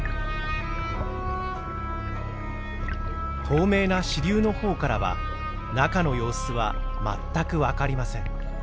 透明な支流の方からは中の様子は全く分かりません。